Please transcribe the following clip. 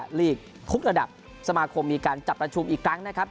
ลีกทุกระดับสมาคมมีการจัดประชุมอีกครั้งนะครับ